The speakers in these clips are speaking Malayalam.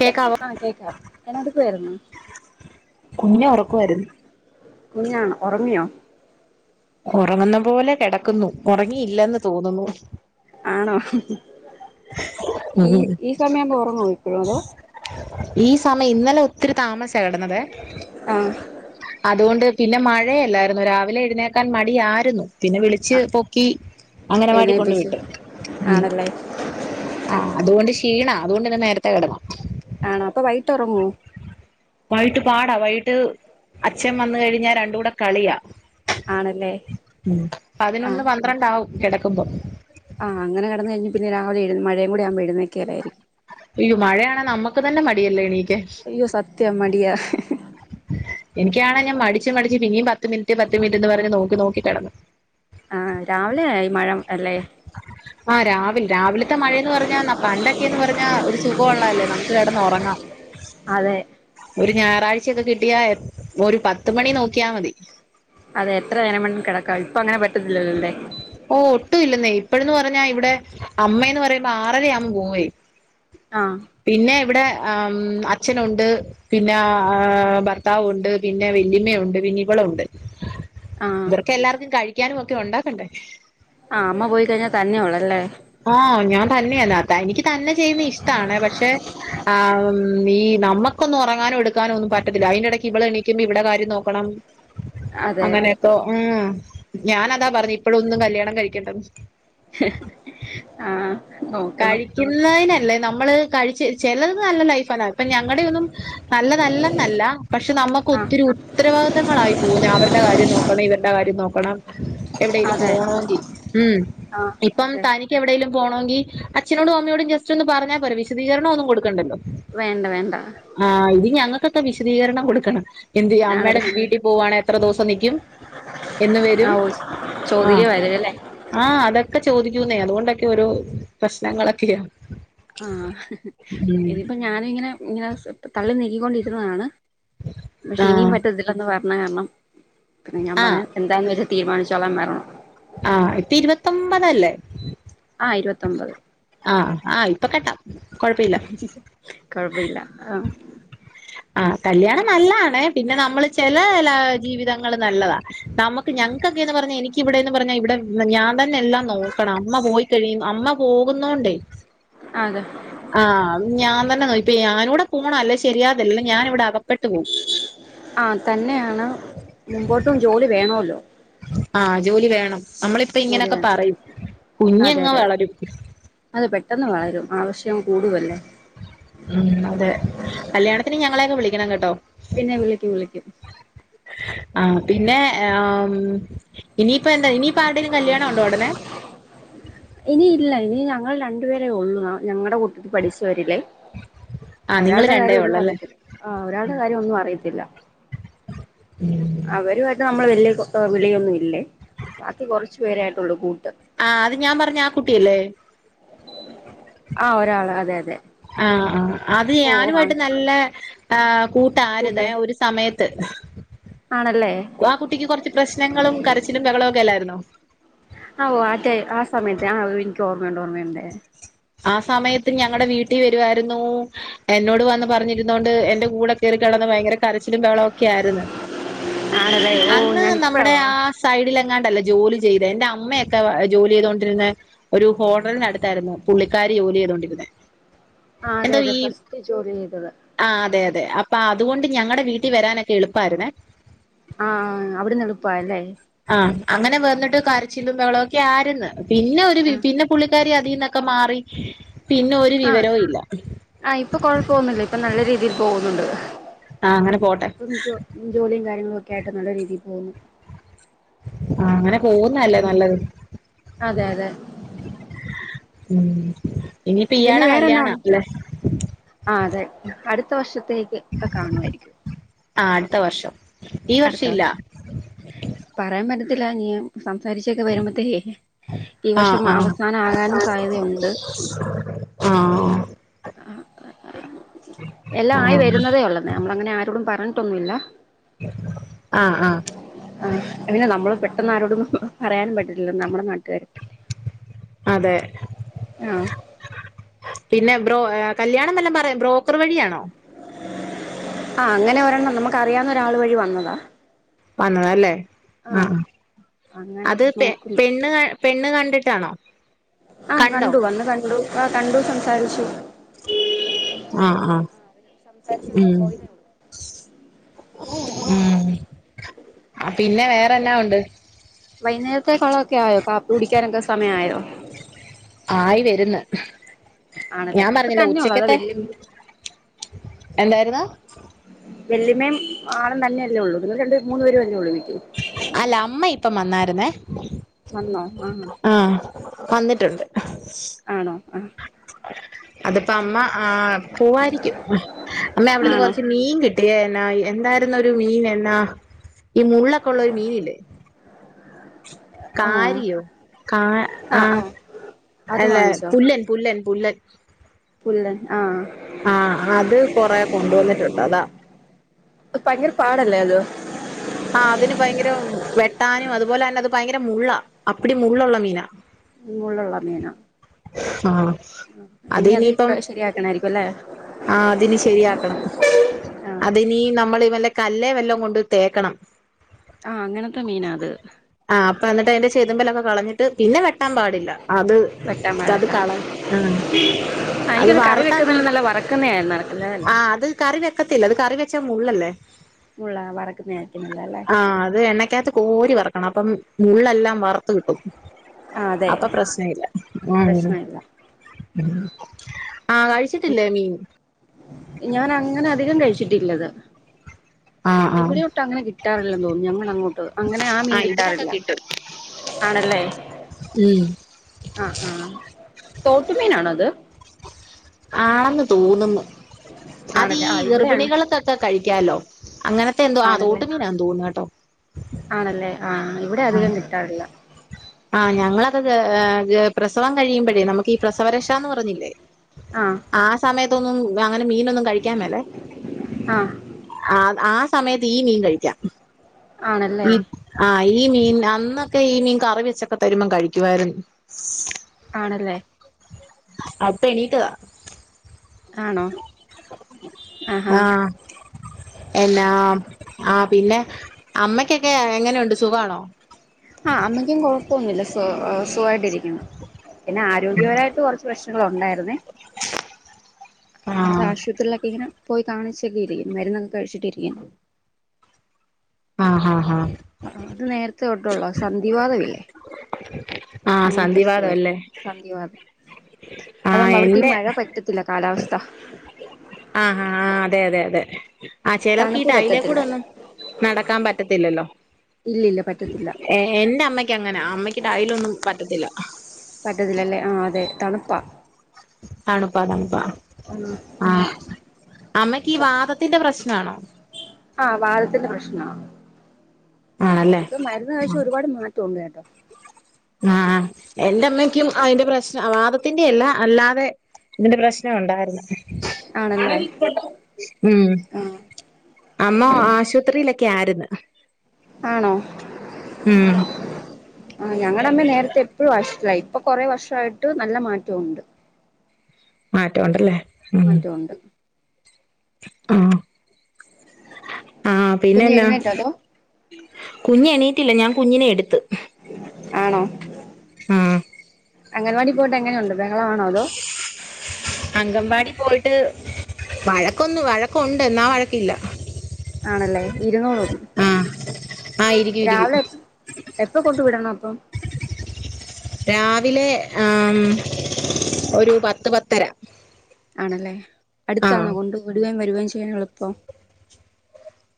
കേക്കാവോ ആഹ് കേക്കാം. എന്നഅടു പേരുന്നു. കുഞ്ഞ് ഉറക്കുവായിരുന്നു കുഞ്ഞാണോ ഒറങ്ങിയോ ഒറങ്ങുന്ന പോലെ കെടക്കുന്നു. ഉറങ്ങിയില്ലെന്ന് തോന്നുന്നു. ആണോ ഉം ഈ ഉം ഈ സമയാവുമ്പോ ഒറങ്ങോ നിത്യേനെ അതോ ഈ സമയം ഇന്നലെ ഒത്തിരി താമസിച്ചാ കിടന്നതേ ആഹ് അതുകൊണ്ട് പിന്നെ മഴയല്ലായിരുന്നോ രാവിലെ എഴുന്നേക്കാൻ മടിയാരുന്നു പിന്നെ വിളിച്ച് ആഹ് പൊക്കി അംഗനവാടി കൊണ്ട് എഴുന്നേപ്പിച്ചു വിട്ട് ഉം ആണല്ലേ ആഹ് അതുകൊണ്ട് ക്ഷീണ അതുകൊണ്ട് ന്ന് നേരത്തെ കെടന്നു ആണോ അപ്പൊ വൈട്ടൊറങ്ങോ വൈകിട്ട് പാടാ വൈകിട്ട് അച്ഛൻ വന്ന് കഴിഞ്ഞാ രണ്ടൂടെ കളിയാ ആണല്ലേ ഉം പതിനൊന്ന് പന്ത്രണ്ടാവും കെടക്കുമ്പോ ആ അങ്ങന കടന്ന് കഴിഞ്ഞ് പിന്നെ രാവിലെ എഴ് മഴെകൂടെ ആവുമ്പോൾ എഴുന്നേൽക്കല്ലായിരുക്കും അയ്യോ മഴയാന്നെ നമ്മക്ക് തന്നെ മടിയല്ലേ എണീ അയ്യോ സത്യം മടിയാ എനിക്കാണെങ്കിൽ മടിച്ച് മടിച്ച് പിന്നീം പത്ത് മിനിറ്റ് പത്ത് മിനിറ്റ് ന്ന് പറഞ്ഞ് നോക്കി നോക്കി കെടന്ന് ആഹ് രാവിലായി മഴം അല്ലേ ആഹ് രാവിൽ രാവിലത്തെ മഴയന്ന് പറഞ്ഞാ പണ്ടൊക്കെ എന്ന് പറഞ്ഞാ ഒരു സുഖം ഉള്ളല്ലേ നമുക്ക് കെടന്ന് ഉറങ്ങാം. അതെ ഒരു ഞായറാഴ്ച ഒക്കെ കിട്ടിയാ ഒരു പത്ത് മണി നോക്കിയാ മതി അതെ എത്ര നേരം വേണമെങ്കിലും കിടക്ക ഇപ്പ അങ്ങനെ പറ്റത്തില്ലല്ലോ ഓ ഒട്ടും ഇല്ലെന്നേ ഇപ്പഴന്ന് പറഞ്ഞാ ഇവിടെ അമ്മേ ന്ന് പറയുമ്പോ ആറരയാവുമ്പോൾ പോവേ ആഹ് പിന്നെ ഇവിടെ ആം അച്ഛനുണ്ട് പിന്നെ ആ ഭർത്താവുണ്ട് പിന്നെ വെല്ലിമ്മയുണ്ട് പിന്നെ ഇവളുണ്ട്. ആഹ് ക്കേ എല്ലാർക്കും കഴിക്കാനും ഒക്കെ ഉണ്ടാക്കണ്ടേ ആ അമ്മ പോയി കഴിഞ്ഞാ തന്നെ ഒള്ള ല്ലേ ആഹ് ഞാൻ തന്നെയാണ് തനിക്ക് തന്നെ ചെയ്യുന്ന ഇഷ്ടാണ് പക്ഷേ ആഹ് ഈ നമ്മക്കൊന്നും ഉറങ്ങാനോ എടുക്കാനോ ഒന്നും പറ്റത്തില്ല അയിന്റെ ഇടയ്ക്ക് ഇവള് എണീക്കുമ്പോ ഇവള് കാര്യം നോക്കണം അതെ അങ്ങനെക്കേ ഉം ഞാനതാ പറഞ്ഞെ ഇപ്പയൊന്നും കല്യാണം കഴിക്കണ്ടന്ന് ഹ് ഹ ആഹ് നോക്കണം കഴിക്കുന്നയിനല്ല നമ്മള് കഴി ച്ചി ചേ ചിലത് നല്ല ലൈഫ്ന്നേ ണ് അപ്പ ഞങ്ങടെ ഒന്നും നല്ലതല്ലെന്നല്ല പക്ഷെ നമ്മക്ക് ആഹ് ഒത്തിരി ഉ ഉത്തരവാദിത്തങ്ങളായി പോകുന്നെ അവര്ടെ കാര്യം നോക്കണം ഇവര്ടെ കാര്യം നോക്കണം എവിടെലും അതെ പോണോങ്കി ഉം ആഹ് ഇപ്പം അതെ തനിക്ക് എവിടെലും പോണോങ്കി അച്ഛനോടും അമ്മയോടും ജസ്റ്റ് ഒന്ന് പറഞ്ഞാൽ പോരെ വിശദീകരണം ഒന്നും കൊടുക്കണ്ടല്ലോ. വേണ്ട വേണ്ട ആ ഇത് ഞങ്ങത്തൊക്കെ വിശദീകരണം കൊടുക്കണം. എന്ത് ഞാനല്ല അമ്മേടെ വീട്ടിൽ പോവാണെ എത്ര ദിവസം നിക്കും. എന്ന് വരും. ആഹ് ചോദിക്കു [unintelligible] ആഹ് അതൊക്കെ ചോദിക്കുന്നേ അതുകൊണ്ടൊക്കെ ഒരു പ്രശ്നങ്ങളൊക്കെയാ ആഹ് ഉം ഇതിപ്പ ഞാന് ഇങ്ങനെ ഇങ്ങനെ തള്ളി നീക്കിക്കൊണ്ടിരുന്നതാണ്. പക്ഷെ ഇനിയും ആഹ് പറ്റത്തില്ലന്ന് പറഞ്ഞ അമ്മ നിക്കണത് ഞാൻ പറ ആഹ് എന്താന്ന് വെച്ചാ തീരുമാനിച്ചോളാൻ പറഞ്ഞു. ആഹ് ഇപ്പ ഇരുപത്തൊമ്പതല്ലേ ആഹ് ഇരുപത്തൊമ്പത് ആഹ് ആഹ് ഇപ്പൊ കെട്ടാം ഹും ഹും കൊഴപ്പഇല്ല ആ ആഹ് കല്യാണം നല്ലതാണെ പിന്നെ നമ്മള് ചെല ല ജീവിതങ്ങൾ നല്ലതാ നമുക്ക് ഞങ്ങക്കെന്ന് പറഞ്ഞ എനിക്ക് ഇവിടെന്ന് പറഞ്ഞ ഇവിടെ ഞാൻ തന്നെ എല്ലാം നോക്കണം അമ്മ പോയിക്കഴിയു അമ്മ പോകുന്നോണ്ടേ അതെ ആഹ് ഞാൻ തന്നെ നോയി ഇപ്പ ഞാനൂടെ പോണം അല്ലേ ശരിയാകല്ലേ ഞാന് ഇവിടെ അകപ്പെട്ട് പോവും ആഹ് തന്നെയാണ് മുമ്പോട്ടും ജോലി വേണൊല്ലോ. ആഹ് ജോലി വേണം നമ്മളിപ്പ ജോലി ഇങ്ങനൊക്കെ വേണം പറയും അതെ കുഞ്ഞങ്ങ് വളരും അതെ പെട്ടെന്ന് വളരും ആവശ്യം കൂടുവല്ലേ ഉം അതെ കല്യാണത്തിന് ഞങ്ങളെയൊക്കെ വിളിക്കണം കേട്ടോ പിന്നെ വിളിക്കും വിളിക്കും ആഹ് പിന്നെ ആഹ് ഇനിയിപ്പ എന്താ ഇനിയിപ്പ ആരുടെലും കല്യാണം ഉണ്ടോ ഉടനെ ഇനിയില്ല ഇനി ഞങ്ങൾ രണ്ടുപേരേ ഉള്ളൂ ഞങ്ങളുടെ കൂട്ടത്തി പഠിച്ച വരിലേ ആഹ് നിങ്ങള് ഒരാളുടെ രണ്ടേ കാര്യം ഒന്നും ഒള്ളല്ലേ അറിയത്തില്ല ആഹ് ഒരാളുടെ കാര്യം ഒന്നും അറിയത്തില്ല. അവരുമായിട്ട് നമ്മള് വല്യ കോ വിളിയൊന്നും ഇല്ലേ ബാക്കി കുറച്ചു പേരെ ആട്ടുള്ളൂ കൂട്ട്. ആഹ് അത് ഞാൻ പറഞ്ഞ ആഹ് കുട്ടിയല്ലേ ആഹ് ഒരാള് അതെ അതെ ആഹ് ആഹ് അത് ഓ ആ ഞാനുമായിട്ട് നല്ല ആഹ് കൂട്ടായിരുന്നേ കൂട്ടെ ഒരു സ് സമയത്ത് ആണല്ലേ ആഹ് കുട്ടിക്ക് കുറച്ച് പ്രശ്നങ്ങളും കരച്ചിലും ബഹളവും ഒക്കെ അല്ലായിരുന്നോ. ആഹ് ഓ ആഹ് റ്റെ ആഹ് സമയത്ത് ആഹ് എനിക്ക് ഓർമ്മയുണ്ട് ഓർമ്മയുണ്ട്. ആഹ് സമയത്ത് ഞങ്ങടെ വീട്ടിൽ വരുവായിരുന്നു. എന്നോട് വന്ന് പറഞ്ഞിരുന്നോണ്ട് എന്റെ കൂടെ കയറി കിടന്ന് ഭയങ്കര കരച്ചിലും ബഹളം ഒക്കെ ആയിരുന്നു ആണല്ലേ ഓ അന്ന് ഞാനിപ്പഴോ നമ്മുടെ ആഹ് സൈഡില് എങ്ങാണ്ടല്ലേ ജോലി ചെയ്തെ എന്റെ അമ്മയൊക്കെ ജോലി ചെയ്തൊണ്ടിരിന്നെ ഒരു ഹോട്ടലിനടുത്തായിരുന്നു പുള്ളിക്കാരി ജോലി ചെയ്തൊണ്ടിരിന്നെ. ആഹ് അതെ അതെ ഫസ്റ്റ് ജോലി ചെയ്തത്. ആഹ് അതെ അതെ അപ്പൊ അതുകൊണ്ട് ഞങ്ങടെ വീട്ടിൽ വരാനൊക്കെ എളുപ്പമായിരുന്നേ. ആഹ് അവിടുന്ന് എളുപ്പാ അല്ലേ ആഹ് അങ്ങനെ വന്നിട്ട് കരച്ചിലും ബഹളം ഒക്കെ ആരുന്നു പിന്നെ ഒരു വി ആ പിന്നെ പുള്ളിക്കാരി അതിൽന്നൊക്കെ മാറി പിന്നെ ഒരു വിവരവും ഇല്ല ആഹ് ഇപ്പൊ കൊഴപ്പൊന്നുല്ല ഇപ്പൊ നല്ല രീതിയിൽ പോകുന്നുണ്ട്. ആ അങ്ങനെ പോട്ടെ ജോലിയും കാര്യങ്ങളും ഒക്കെ ആയിട്ട് നല്ല രീതിയിൽ പോകുന്നു. ആഹ് അങ്ങനെ പോവുന്നേ അല്ലേ നല്ലത്. അതെ അതെ ഉം ഇനിയിപ്പോ പിന്നെ ഇയാടെ വേറെ എന്നാ കല്യാണാ ഒണ്ട് അല്ലെ അതെ അടുത്ത വർഷത്തേക്ക് കാണുമായിരിക്കും ആഹ് അടുത്ത വർഷം ഈ അടുത്ത ഇല്ല വർഷം പറയാൻ പറ്റത്തില്ല ഇനിയും സംസാരിച്ചൊക്കെ വരുമ്പോത്തേക്ക് ഈ ആ വർഷം അവസാന ആകാനും സാധ്യതുണ്ട് ആഹ് ആഹ് എല്ലാം ആയി വരുന്നതേ ഉള്ളന്നേ നമ്മളങ്ങനെ ആരോടും പറഞ്ഞിട്ടൊന്നും ഇല്ല. ആഹ് ആഹ് ആഹ് പിന്നെ നമ്മള് പെട്ടെന്ന് ആരോടൊന്നും പറയാനും പറ്റിലല്ലോ നമ്മുടെ നാട്ടുകാര് അതെ ആഹ് പിന്നെ ബ്രോ കല്യാണം വല്ലോം പറയ ബ്രോക്കർ വഴിയാണോ ആഹ് അങ്ങനെ ഒരെണ്ണം നമുക്ക് അറിയാവുന്ന ഒരാൾ വഴി വന്നതാ വന്നതല്ലേ ആ ആഹ് അങ്ങനെ അത് പെ നോക്കുന്നു പെണ് പെണ് കണ്ടിട്ടാണോ ആ കണ്ടോ കണ്ടു വന്ന് കണ്ടു ആ കണ്ടു സംസാരിച്ചു ആ ഹ്ആഹ് അവര് സംസാരിച്ചെല്ലാം ഉം പോയതേ ഉള്ളൂ ഉം പിന്നെ വേറെ എന്നാ ഒണ്ട് വൈന്നേരത്തെക്കുള്ളതൊക്കെ ആയോ കാപ്പി കുടിക്കാനൊക്കെ സമയമായോ ആയി വര്ന്ന് ആണല്ലേ ഞാൻ ഇപ്പൊ പറഞ്ഞില്ലെ തന്നെ ഉള്ളോ അതോ ഉച്ചക്കത്തെ വെല്ലു എന്തായിരുന്ന് വെല്ലിമ്മയും ആളും തന്നെയല്ലേ ഉള്ളൂ നിങ്ങള് രണ്ട് പേര് മൂന്നു പേരല്ലേ ഉള്ളൂ വീട്ടി അല്ല അമ്മ ഇപ്പം വന്നായിരുന്നേ ആഹ് വന്നിട്ടുണ്ട് ആണോ ആ അതിപ്പോ അമ്മ ആ പോവായിരിക്കും അമ്മ അവിടുന്ന് ആണോ കൊറച്ച് മീൻ കിട്ടിയായിരുന്നു എന്തായിരുന്നൊരു മീൻ എന്നാ ഈ മുള്ളൊക്കെ ഉള്ളൊരു മീനില്ലേ ആഹ് കാരിയോ കാ ആ ആഹ് ആഹ് അത് അല്ല വാങ്ങിച്ചോ പുല്ലൻ പുല്ലൻ പുല്ലൻ പുല്ലൻ ആഹ് ആ അത് കൊറെ കൊണ്ടുവന്നിട്ടുണ്ട് അതാ ഭയങ്കര പാടല്ലേ അത് ആ അതിന് ഭയങ്കര വെട്ടാനും അതുപോലെ തന്നെ അത് ഭയങ്കര മുള്ളാ അപ്പടി മുള്ളുള്ള മീനാ മുള്ളുള്ള മീനാ ആഹ് ഇനി അത് ഇപ്പ ശരിയാക്കണായിരിക്കും അല്ലേ ആ അതിന് ശരിയാക്കണം ആഹ് അതിനി നമ്മൾ വല്ലെ കല്ലേ വല്ലോം കൊണ്ട് തേക്കണം ആഹ് അങ്ങനത്തെ മീനാത് ആഹ് അപ്പൊ എന്നിട്ട് അതിന്റെ ചേതുമമ്പലൊക്കെ കളഞ്ഞിട്ട് പിന്നെ വെട്ടാൻ പാടില്ല അത് വെട്ടാൻ അത് പാടില്ല കള ആ ആ അത് എനിക്കൊന്ന് കറി വറത്ത വെക്കുന്നല്ല നല്ല വറക്കുന്നതായിരുന്നു നടക്കുന്നതല്ലേ ആ അത് കറി വെക്കത്തില്ല അത് കറി വെച്ചാ മുള്ളല്ലേ മുള്ളാ വറക്കുന്നതായിരിക്കും നല്ലേ അല്ലേ ആഹ് അത് എണ്ണയ്ക്കകത്ത് കോരി വറക്കണം അപ്പം മുള്ളല്ലാം വറുത്ത് കിട്ടും ആ അതെ അപ്പൊ പ്രശ്ന ഇല്ല പ്രശ്നമില്ല ഉം ആ അഴിച്ചിട്ടില്ലേ മീൻ ഞാൻ അങ്ങനെ അധികം കഴിച്ചിട്ടില്ലത് ആഹ് ആഹ് ഇവിടെയൊട്ടും അങ്ങനെ കിട്ടാറില്ലെന്ന് തോന്നുന്നു ഞങ്ങ അങ്ങോട്ട് അങ്ങനെ ആ മീൻ ആഹ് ഇവിടൊക്കെ കിട്ടാറില്ല കിട്ടും ആണല്ലേ ഉം ആ ആ തോട്ടുമീനാണോ അത് ആന്ന് തോന്നുന്നു അതീ ആണല്ലേ ആ ഇവിടെ ഗർഭിണികൾകൊക്കെ കഴിക്കാലോ അങ്ങനത്തെ എന്തോ ആ ആണല്ലേ തോട്ട് മീനാ തോന്ന് കേട്ടോ ആണല്ലേ ആ ഇവിടെ അധികം കിട്ടാറില്ല ആ ഞങ്ങളത് പ്രസവം കഴിയുമ്പോഴേ നമുക്ക് ഈ പ്രസവ രക്ഷാന്ന് പറഞ്ഞില്ലേ ആഹ് ആ സമയത്തൊന്നും അങ്ങനെ മീനൊന്നും കഴിക്കാമല്ലെ ആ ആ ആ സമയത്ത് ഈ മീൻ കഴിക്കാം ആണല്ലേ ഈ ആഹ്ഈ മീൻ അന്നൊക്കെ ഈ മീൻ കറി വെച്ചൊക്കെ തരുമ്പോം കഴിക്കുയിരുന്നു ആണല്ലേ അപ്പൊ എണീറ്റതാ ആണോ ആഹാ ആഹ് എന്നാ ആ പിന്നെ അമ്മക്കൊക്കെ എങ്ങനെയുണ്ട് സുഖാണോ ആഹ് അമ്മയ്ക്കും കൊഴപ്പൊന്നുമില്ല സു സുഖായിട്ടിരിക്കുന്നു പിന്നെ ആരോഗ്യപരമായിട്ട് കുറച്ച് പ്രശ്നങ്ങള ഉണ്ടായിരുന്നേ അത് ആഹ് ആശുപത്രിയിലൊക്കെ ഇങ്ങനെ പോയി കാണിച്ചൊക്കെ ഇരിക്കുന്നു മരുന്നൊക്കെ കഴിച്ചിട്ടിരിക്കും ആഹ് ആഹ ഹഹ ആ അത് നേരത്തെ തോട്ടുള്ള സന്ധിവാദംല്ലേ ആഹ് അങ്ങനത്തെ സന്ധിവാതം അസുഖയിരുന്നു അല്ലേ സന്ദിവാദം ആഹ് അതാവുമ്പോ അവർക്ക് ഈ എന്റെ മഴ പറ്റ ത്തില്ല കാലാവസ്ഥ ആഹ് ആ ഹ്ആഹ് അതെ അതെ അതെ ആഹ് ചിലർക്ക് ഇ തണുപ്പ് പറ്റത്തില്ല ടൈലേക്കൂടെ ഒന്നും നടക്കാൻ പറ്റത്തില്ലല്ലോ ഇല്ലില്ല പറ്റത്തില്ല ഏഹ് എന്റെ അമ്മയ്ക്ക് അങ്ങനെ അമ്മയ്ക്ക്ടൈലൊന്നും പറ്റത്തില്ല പറ്റതില്ലല്ലേ ആഹ് അതെ തണുപ്പാ ത്തണുപ്പാ തണുപ്പാ ആഹ് ആഹ് അമ്മക്ക് ഈ വാദത്തിന്റെ പ്രശ്ന ആണോ ആഹ് വാദത്തിന്റെ പ്രശ്ന ആണല്ലേ ഇപ്പൊ മരുന്ന് കഴിച്ച ഒരുപാട് മാറ്റംണ്ട് കേട്ടോ ആഹ് ആഹ് എന്റെമ്മക്കും അതിന്റെ പ്രശ്നം വാദത്തിന്റെ അല്ല അല്ലാതെ ഇതിന്റെ പ്രശ്നം ഉണ്ടായിരുന്നു ആണല്ലേ ഉം ആഹ് അമ്മ ആശുപത്രിയിലൊക്കെ ആയിരിന്ന് ആണോ ഉം ആഹ് ഞങ്ങടെ അമ്മ നേരത്തെ ഇപ്പോ വഷ്ലായി ഇപ്പൊ കുറേ വർഷയിട്ട് നല്ല മാറ്റഉണ്ട് മാറ്റഉണ്ടല്ലേ മാറ്റഉണ്ട് ആഹ് ആഹ് കുഞ്ഞ് പിന്നെന്നാ എഴുന്നേറ്റോ അതോ കുഞ് എണീട്ടില്ല ഞാൻ കുഞ്ഞിനെ എടുത്ത് ആണോ ആഹ് അംഗൻവാടി പോയിട്ട് എങ്ങനെയുണ്ട് ബെഹളാണോ തോ അങ്കമ്പാടി പോയിട്ട് വഴക്കൊന്നും വഴക്കുണ്ട് എന്നാ വഴക്കില്ല ആണല്ലേ ഇരുന്നൂളും ആഹ് ആഹ് ഇരിക്കും രാവിലെ ഇരിക്കും എപ്പൊ കൊണ്ടു വിടണം അപ്പൊ രാവിലെ ആം ഒരു പത്ത് പത്തര ആണല്ലേ ആഹ് അടുത്താണോ കൊണ്ട് വിടുകയും വരുകയും ചെയ്യാന എളുപ്പം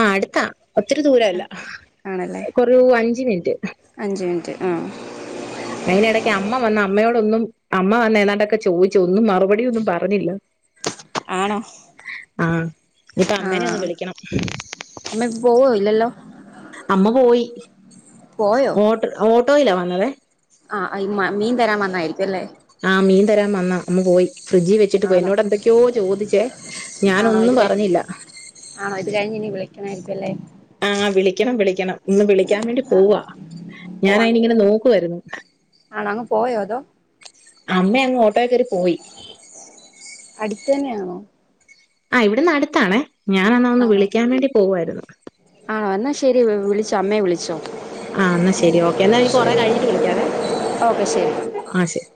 ആഹ് അടുത്താ ഒത്തിരി ദൂരല്ല ആണല്ലേ കേറെ അഞ്ച് മിനിറ്റ് അഞ്ച് മിനിറ്റ് ആഹ് അയ്നിടക്ക് അമ്മ വന്ന അമ്മയോടൊന്നും അമ്മ വന്ന ഏതാണ്ടൊക്കെ ചോദിച്ചു ഒന്നും മറുപടിയൊന്നും പറഞ്ഞില്ല ആണോ ആഹ് ഇപ്പൊ അമ്മേനെ ഒന്ന് വിളിക്കണം അമ്മേ പ്പെ പോവോ ഇല്ലല്ലോ അമ്മ പോയി ഓട്ട ഓട്ടോയിലാ വന്നത് ആഹ് അയിന് മാ മീൻ തരാൻ വന്നായിരിക്കും അല്ലേ ആഹ് മീൻ തരാൻ വന്നാ വന്ന് പോയി ഫ്രിഡ്ജ് വെ വേച്ചിട്ട് പോയി ആണോ എന്നോട് എന്തൊക്കെയോ ചോദിച്ചേ ആണോ ഞാനൊന്നും ഇത് കഴിഞ്ഞ് പറഞ്ഞില്ല ആണോ ഇത് കഴിഞ്ഞ് ഇനി വിളിക്കണ ആയിരിക്കും അല്ലേ ആഹ് വിളിക്കണം വിളിക്കണം ഒന്ന് വിളിക്കാൻ വേണ്ടി ആ പോവാ ഞാനയിനി പോവാണല്ലേ ഇങ്ങനെ നോക്കുവായിരുന്നു ആണോ അങ്ങ് പോയോ അതോ? അമ്മ അങ്ങ് ഓട്ടോക്കേറി പോയി. അടിത്തന്നെയാണോ? ആഹ് ഇവിടന്നടുത്താണേ ഞാനന്നാ ഒന്ന് വിളിക്കാൻ വേണ്ടി പോവായിരുന്ന്. ആഹ് ന്നാശെരി വ് വിളിച്ചോ അമ്മേ വിളിച്ചോ. ആഹ് ന്നാശെരി ഓക്കേ എന്നാ നി കൊറെ ശരി കഴിഞ്ഞിട്ട് വിളിക്കാവേ ഓക്കെ ശരി ആഹ് ശെരി.